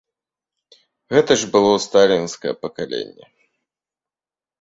Гэта ж было сталінскае пакаленне.